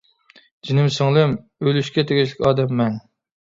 جېنىم سىڭلىم، ئۆلۈشكە تېگىشلىك ئادەم مەن.